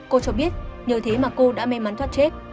cô cho biết nhờ thế mà cô đã may mắn thoát chết